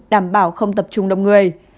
đảm bảo không tập trung đông người